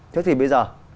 thế thì bây giờ